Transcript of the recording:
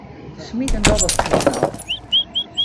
Smyt in dobbelstien op.